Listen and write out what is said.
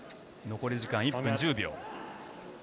残り時間、１分１０秒。